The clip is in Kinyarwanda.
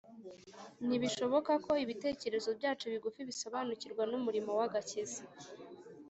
Ntibishoboka ko ibitekerezo byacu bigufi bisobanukirwa n’umurimo w’agakiza.